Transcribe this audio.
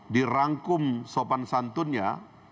dirangkum sopan santunnya